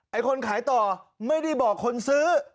คนขายต่อไม่ได้บอกคนซื้อ